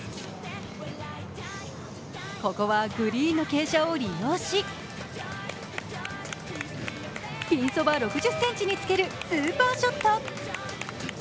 ここはグリーンの傾斜を利用し、ピンそば６０ｃｍにつけるスーパーショット。